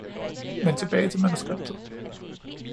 Men tilbage til manuskriptet.